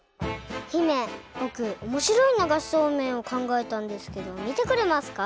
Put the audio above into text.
姫ぼくおもしろいながしそうめんをかんがえたんですけどみてくれますか？